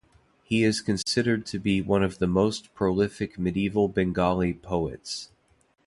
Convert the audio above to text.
He is considered to be one of the most prolific medieval Bengali poets.